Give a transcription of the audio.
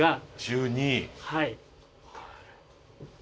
はい。